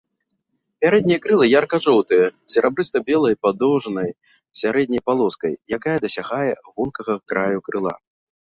Пярэднія крылы ярка-жоўтыя, з серабрыста-белай падоўжнай сярэдняй палоскай, якая дасягае вонкавага краю крыла.